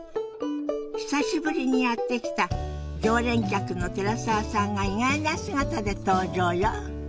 久しぶりにやって来た常連客の寺澤さんが意外な姿で登場よ。